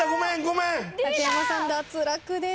竹山さん脱落です。